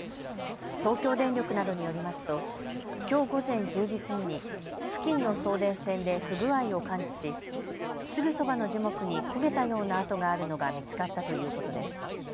東京電力などによりますときょう午前１０時過ぎに付近の送電線で不具合を感知しすぐそばの樹木に焦げたような跡があるのが見つかったということです。